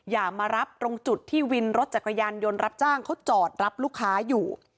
อย่ามารับตรงจุดที่วินรถจักรยานยนต์รับจ้างเขาจอดรับลูกค้าอยู่